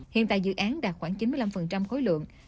hiện tại dự án đạt khoảng chín mươi năm khối lượng